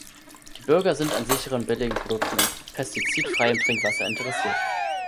Die Bürger sind an sicheren, billigen Produkten und pestizidfreiem Trinkwasser interessiert.